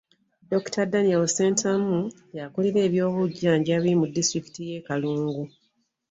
Dokita Daniel Ssentamu, y'akulira eby'obujjanjabi mu disitulikiti y'e Kalungu.